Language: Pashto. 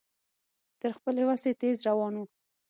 تر خپلې وسې تېز روان و.